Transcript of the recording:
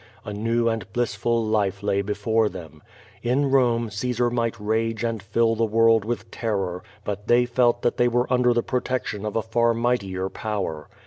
A new and blissful life lay before them. In Rome Caesar might rage and fill the world with terror, but they felt that they were under the protection of a far mightier jwwer.